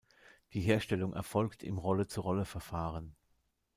Die Herstellung erfolgt im Rolle-zu-Rolle-Verfahren.